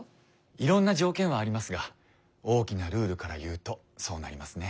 いろんな条件はありますが大きなルールから言うとそうなりますね。